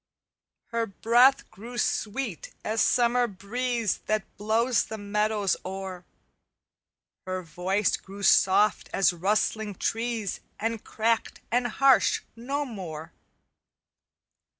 "Her breath grew sweet as summer breeze That blows the meadows o'er; Her voice grew soft as rustling trees, And cracked and harsh no more.